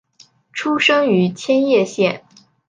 出生于千叶县。